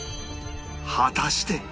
果たして